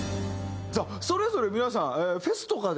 さあそれぞれ皆さんフェスとかで。